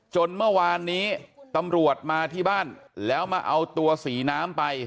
จนเมื่อวานนี้ตำรวจมาที่บ้านแล้วมาเอาตัวสีน้ำไป